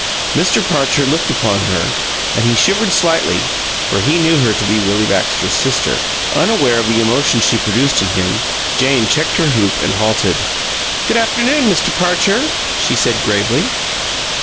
Mr. Parcher looked upon her, and he shivered slightly; for he knew her to be Willie Baxter's sister. Unaware of the emotion she produced in him, Jane checked her hoop and halted. "G'd afternoon, Mister Parcher," she said, gravely.